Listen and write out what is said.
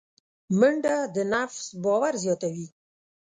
منډه د نفس باور زیاتوي